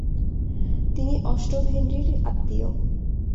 তিনি অষ্টম হেনরির আত্মীয়।